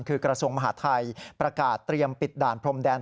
คือกระทรวงมหาทัยประกาศเตรียมปิดด่านพรมแดน